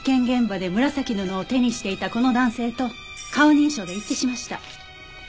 現場で紫の布を手にしていたこの男性と顔認証で一致しました。